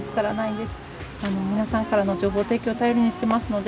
皆さんからの情報提供頼りにしてますので。